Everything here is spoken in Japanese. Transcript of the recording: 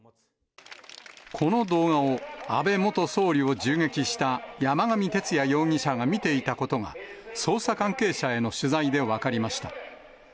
この動画を安倍元総理を銃撃した山上徹也容疑者が見ていたことが、捜査関係者への取材で分かりました。